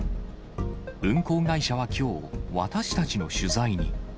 運行会社はきょう、私たちの取材に。